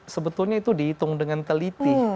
sebetulnya itu dihitung dengan teliti